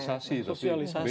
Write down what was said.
belum itu sosialisasi